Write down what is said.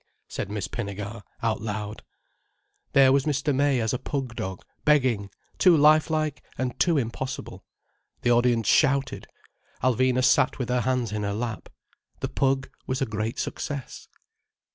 said Miss Pinnegar, out loud. There was Mr. May as a pug dog begging, too lifelike and too impossible. The audience shouted. Alvina sat with her hands in her lap. The Pug was a great success.